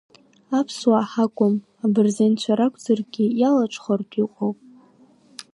Аԥсуаа ҳакәым, абырзенцәа ракәзаргьы иалаҽхәартә иҟоуп.